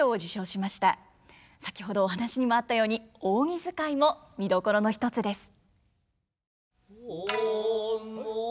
先ほどお話にもあったように扇づかいも見どころの一つです。